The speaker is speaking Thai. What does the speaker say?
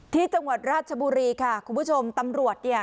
ที่จังหวัดราชบุรีค่ะคุณผู้ชมตำรวจเนี่ย